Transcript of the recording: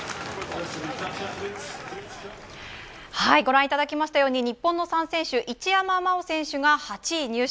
ご覧いただきましたように日本の３選手、一山麻緒選手が８位入賞。